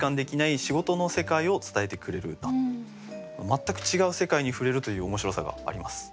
全く違う世界に触れるという面白さがあります。